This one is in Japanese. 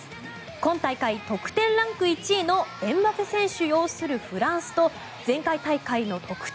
今大会得点ランク１位のエムバペ選手擁するフランスと前回大会の得点